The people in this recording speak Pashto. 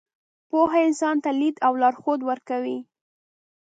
پوهه انسان ته لید او لارښود ورکوي.